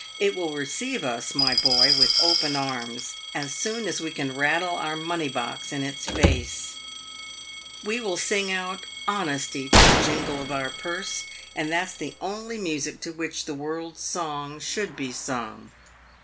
It will receive us, my boy, with open arms, as soon as we can rattle our money box in its face. We will sing out 1 honesty' to the jingle of our purse, and that's the only music to 362 PAYED WITH GOLD. which the world's song should be sung.